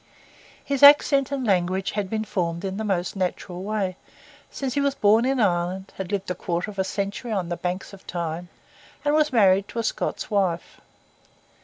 His accent and language had been formed in the most natural way, since he was born in Ireland, had lived a quarter of a century on the banks of Tyne, and was married to a Scots wife.